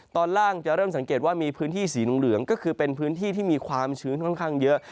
ตอนล่างจะเริ่มสังเกตว่ามีพื้นที่สีเหลืองก็คือเป็นพื้นที่ที่มีความชื้นค่อนข้างเยอะ